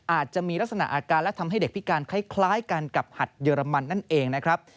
อาจจะมีลักษณะอาการและทำให้เด็กพิการคล้ายกันกับหัดเยอรมันนั่นเองนะครับ